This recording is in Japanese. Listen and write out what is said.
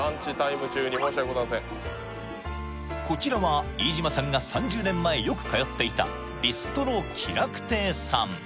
こちらは飯島さんが３０年前よく通っていたビストロ喜楽亭さん